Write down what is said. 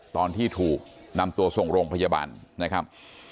ตอนที่ถูกนำตัวส่งโรงพยาบาลนะครับ